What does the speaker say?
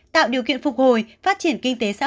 tạo điều kiện phục hồi phát triển kinh tế sau